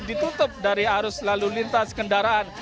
ditutup dari arus lalu lintas kendaraan